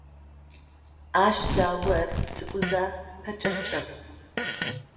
Ащ заор цӀыкӀузэ пэкӏэкӏыгъ.